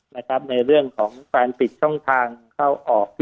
ในเรื่องของการปิดช่องทางเข้าออก